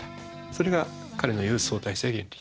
それが彼の言う相対性原理。